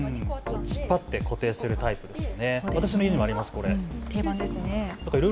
突っ張って固定するタイプですよ。